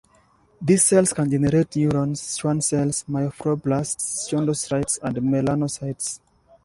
These cells can generate neurons, Schwann cells, myofibroblast, chondrocytes and melanocytes.